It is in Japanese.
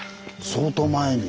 相当前に。